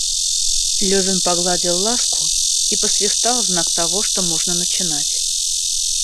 Левин погладил Ласку и посвистал в знак того, что можно начинать.